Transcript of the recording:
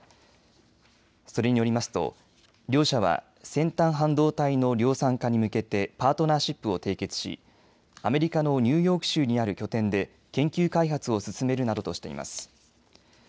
それによりますと両社は先端半導体の量産化に向けてパートナーシップを締結しアメリカのニューヨーク州にある拠点で研究開発を進めるなどとしています。